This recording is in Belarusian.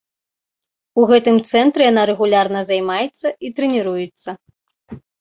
У гэтым цэнтры яна рэгулярна займаецца і трэніруецца.